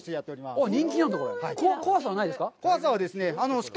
怖さはないですか？